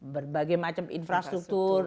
berbagai macam infrastruktur